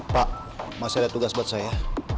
pak masih ada tugas buat saya